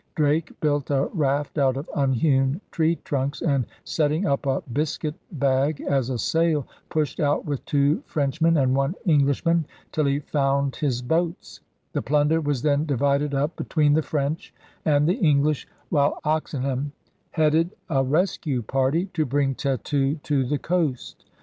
Drake built a raft out of unhewn tree trunks and, setting up a biscuit bag as a sail, pushed out with two French men and one Englishman till he found his boats. The plunder was then divided up between the French and the English, while Oxenham headed 114 ELIZABETHAN SEA DOGS a rescue party to bring Tetu to the coast.